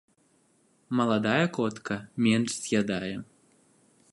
Маладая котка менш з'ядае.